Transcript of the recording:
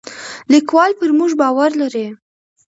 لیکوال پر موږ باور لري.